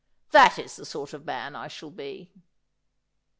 That is the sort of man I shall be.'